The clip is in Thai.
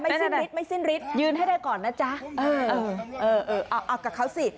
สิ้นฤทธิไม่สิ้นฤทธิยืนให้ได้ก่อนนะจ๊ะเออเออเอาเอากับเขาสิ